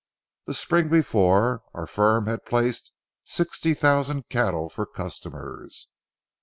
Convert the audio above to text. The spring before, our firm had placed sixty thousand cattle for customers.